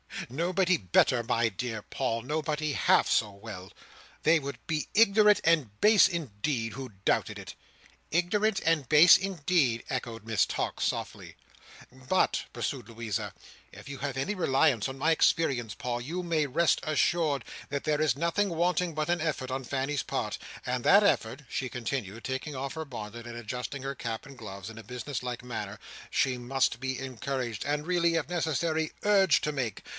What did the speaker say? "Nobody better, my dear Paul. Nobody half so well. They would be ignorant and base indeed who doubted it." "Ignorant and base indeed!" echoed Miss Tox softly. "But," pursued Louisa, "if you have any reliance on my experience, Paul, you may rest assured that there is nothing wanting but an effort on Fanny's part. And that effort," she continued, taking off her bonnet, and adjusting her cap and gloves, in a business like manner, "she must be encouraged, and really, if necessary, urged to make.